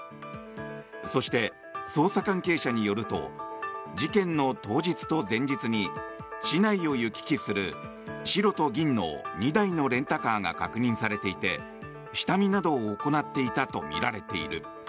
そして、捜査関係者によると事件の当日と前日に市内を行き来する白と銀の２台のレンタカーが確認されていて下見などを行っていたとみられている。